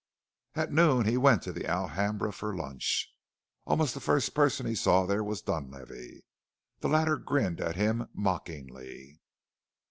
At noon he went to the Alhambra for lunch. Almost the first person he saw there was Dunlavey. The latter grinned at him mockingly.